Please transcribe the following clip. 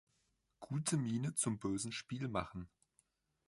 Gute Miene zum bösen Spiel machen.